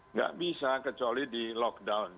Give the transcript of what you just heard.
nggak bisa kecuali di lockdown